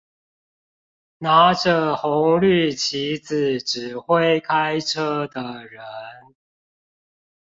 拿著紅綠旗子指揮開車的人